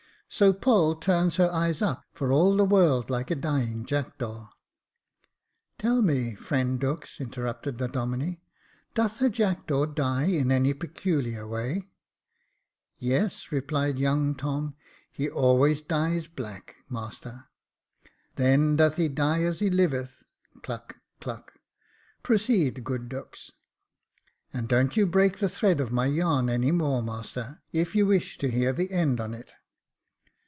So Poll turns her eyes up, for all the world like a dying jackdaw." " Tell me, friend Dux," interrupted the Domine, doth a jackdaw die in any peculiar way ?"•' Yes," replied young Tom ;he always dies black, master." "Then doth he die as he liveth. (Cluck, cluck.) Pro ceed, good Dux." " And don't you break the thread of my yarn any more, master, if you wish to hear the end on it.